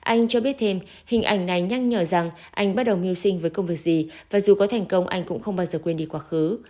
anh cho biết thêm hình ảnh này nhắc nhở rằng anh bắt đầu mưu sinh với công việc gì và dù có thành công anh cũng không bao giờ quên đi quá khứ